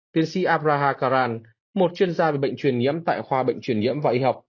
tiến sĩ abraha karan một chuyên gia về bệnh truyền nhiễm tại khoa bệnh truyền nhiễm và y học